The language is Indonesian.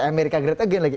amerika great again lagi